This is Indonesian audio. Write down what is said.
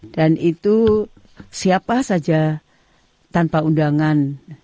dan itu siapa saja tanpa undangan